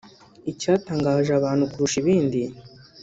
Icyatangaje abantu kurusha ibindi